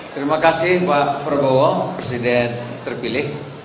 terima kasih pak prabowo presiden terpilih